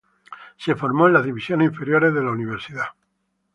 Se formó en las divisiones inferiores de Universidad Católica.